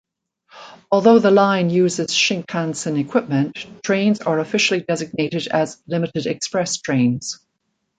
Although the line uses Shinkansen equipment, trains are officially designated as limited express trains.